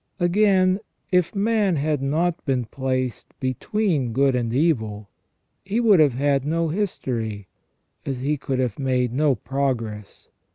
Again, if man had not been placed between good and evil, he would have had no history, as he could have made no progress.